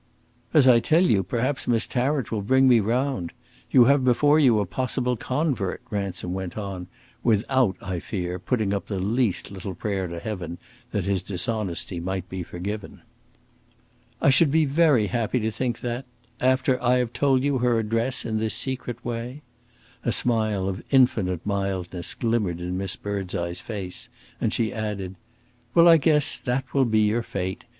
"As I tell you, perhaps Miss Tarrant will bring me round. You have before you a possible convert," Ransom went on, without, I fear, putting up the least little prayer to heaven that his dishonesty might be forgiven. "I should be very happy to think that after I have told you her address in this secret way." A smile of infinite mildness glimmered in Miss Birdseye's face, and she added: "Well, I guess that will be your fate.